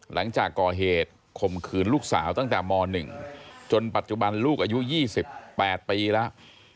หลังจากก่อเหตุข่มขืนลูกสาวตั้งแต่ม๑จนปัจจุบันลูกอายุ๒๘ปีแล้ว